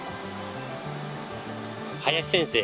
林先生